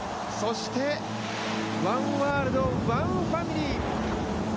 そしてワンワールド、ワンファミリー。